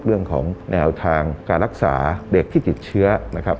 เรื่องของแนวทางการรักษาเด็กที่ติดเชื้อนะครับ